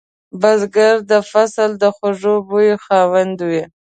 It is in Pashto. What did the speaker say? بزګر د فصل د خوږ بوی خاوند وي